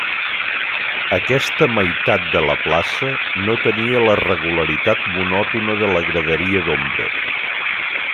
Aquesta meitat de la plaça no tenia la regularitat monòtona de la graderia d'ombra.